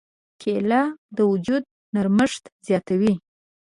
کېله د وجود نرمښت زیاتوي.